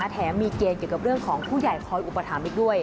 แถมมีเกณฑ์เกี่ยวกับเรื่องของผู้ใหญ่คอยอุปถัมภ์อีกด้วย